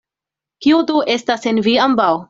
Kio do estas en vi ambaŭ?